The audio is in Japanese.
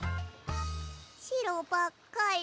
しろばっかり。